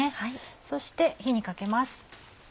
そして火にかけます。